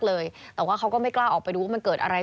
แต่ว่าเขาก็ไม่กล้าออกไปดูว่ามันเกิดอะไร